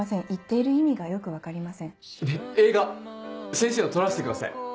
先生を撮らせてください。